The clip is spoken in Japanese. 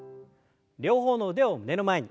両方の腕を胸の前に。